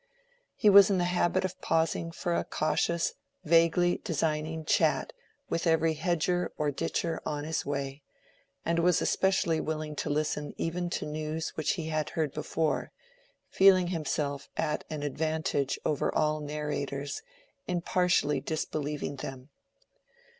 He was in the habit of pausing for a cautious, vaguely designing chat with every hedger or ditcher on his way, and was especially willing to listen even to news which he had heard before, feeling himself at an advantage over all narrators in partially disbelieving them.